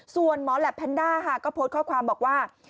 ส่วนหมอแหลปแพนด้าค่ะก็โพสต์ข้อความบอกว่า